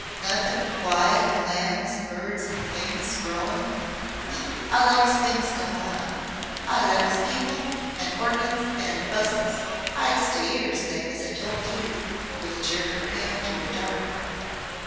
Nothin' but quiet an' lambs an' birds an' things growin.' Me, I likes things goin' on. I likes people an' 'and organs an' 'buses. I'd stay 'ere same as I told YOU," with a jerk of her hand toward Dart.